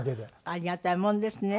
ありがたいもんですね。